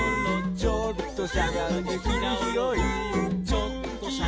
「ちょっとしゃがんでくりひろい」